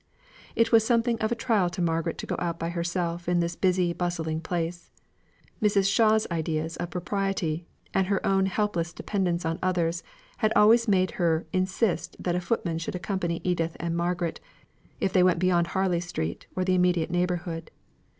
It was something of a trial to Margaret to go out by herself in this busy bustling place. Mrs. Shaw's ideas of propriety and her own helpless dependence on others, had always made her insist that a footman should accompany Edith and Margaret, if they went beyond Harley Street or the immediate neighbourhood.